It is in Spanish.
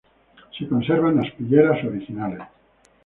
Se conservan aspilleras originales.